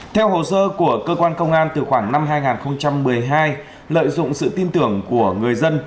theo hồ sơ của cơ quan công an từ khoảng năm hai nghìn một mươi hai lợi dụng sự tin tưởng của người dân